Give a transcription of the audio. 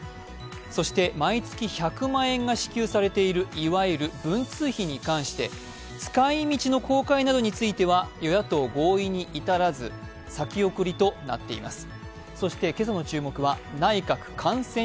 そして毎月１００万円が支給されているいわゆる文通費に関して使いみちの公開などについては与野党合意に至らず、先送りとなっています。